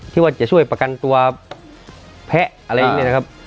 ที่ว่าจะช่วยประกันตัวแพะอะไรอย่างนี้นะครับ